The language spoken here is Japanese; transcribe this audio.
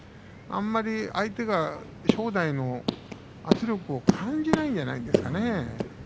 あまり相手が正代の圧力を感じないんじゃないですかね。